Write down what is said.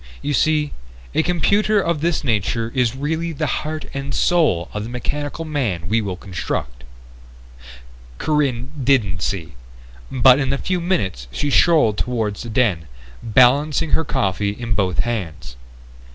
You see, a computer of this nature is really the heart and soul of the mechanical man we will construct." Corinne didn't see, but in a few minutes she strolled toward the den, balancing her coffee in both hands.